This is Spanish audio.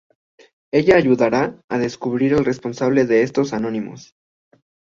Ella ayudará a descubrir al responsable de estos anónimos.